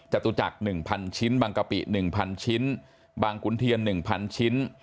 จตุจักร๑๐๐ชิ้นบางกะปิ๑๐๐ชิ้นบางขุนเทียน๑๐๐ชิ้น